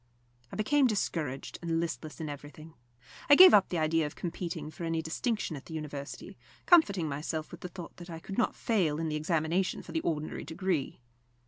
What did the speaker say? I became discouraged and listless in everything. I gave up the idea of competing for any distinction at the University, comforting myself with the thought that I could not fail in the examination for the ordinary degree.